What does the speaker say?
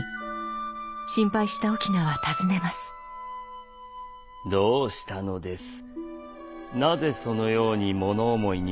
心配した翁は尋ねます。